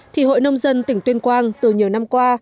thì hội nông dân tỉnh tuyên quang từ nhiều năm qua